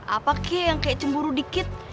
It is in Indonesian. apa kia yang kayak cemburu dikit